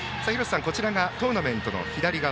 こちらがトーナメントの左側。